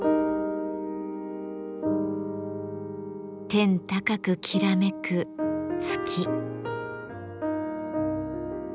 天高くきらめく月。